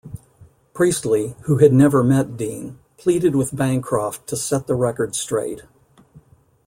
Priestley, who had never met Deane, pleaded with Bancroft to set the record straight.